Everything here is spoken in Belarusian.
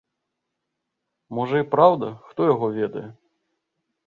Можа, і праўда, хто яго ведае.